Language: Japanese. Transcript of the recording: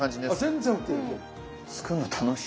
全然ＯＫ。